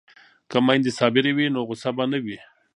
که میندې صابرې وي نو غوسه به نه وي.